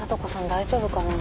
大丈夫かな。